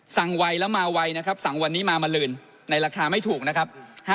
ไวแล้วมาไวนะครับสั่งวันนี้มามาลืนในราคาไม่ถูกนะครับ